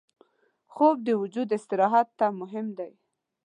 خوب د وجود استراحت ته مهم دی